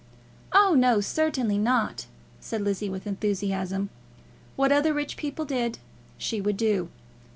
"Oh, no; certainly not," said Lizzie, with enthusiasm. What other rich people did, she would do.